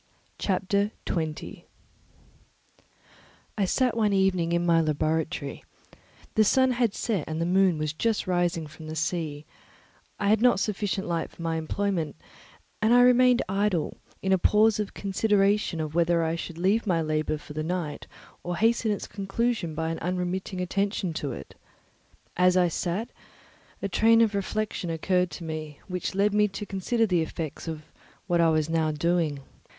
Chapter 20 I sat one evening in my laboratory; the sun had set, and the moon was just rising from the sea; I had not sufficient light for my employment, and I remained idle, in a pause of consideration of whether I should leave my labour for the night or hasten its conclusion by an unremitting attention to it. As I sat, a train of reflection occurred to me which led me to consider the effects of what I was now doing.